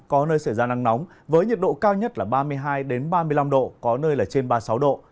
có nơi xảy ra nắng nóng với nhiệt độ cao nhất là ba mươi hai ba mươi năm độ có nơi là trên ba mươi sáu độ